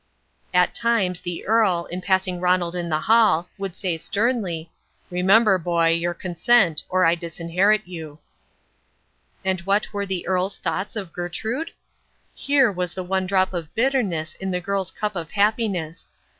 At times the Earl, in passing Ronald in the hall, would say sternly, "Remember, boy, your consent, or I disinherit you." And what were the Earl's thoughts of Gertrude? Here was the one drop of bitterness in the girl's cup of happiness.